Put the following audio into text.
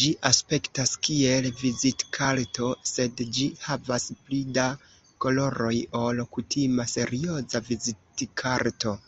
Ĝi aspektas kiel vizitkarto, sed ĝi havas pli da koloroj ol kutima serioza vizitkarto.